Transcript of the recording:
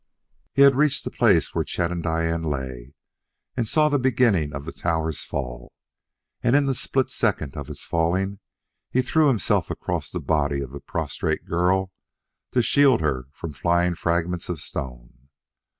He had reached the place where Chet and Diane lay and saw the beginning of the tower's fall; and in the split second of its falling he threw himself across the body of the prostrate girl to shield her from flying fragments of stone.